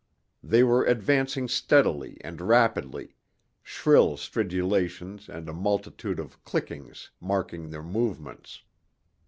They were advancing steadily and rapidly, shrill stridulations and a multitude of clickings marking their movements.